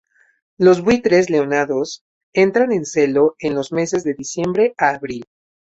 Los buitres leonados entran en celo en los meses de diciembre a abril.